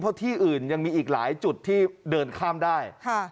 เพราะที่อื่นยังมีอีกหลายจุดที่เดินข้ามได้